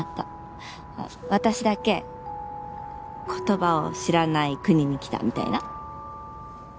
私だけ言葉を知らない国に来たみたいな。